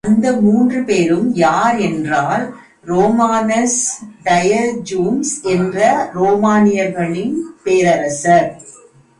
அந்த மூன்று பேரும் யார் என்றால், ரோமானஸ் டயஜீன்ஸ் என்ற ரோமானியர்களின் பேரரசர்.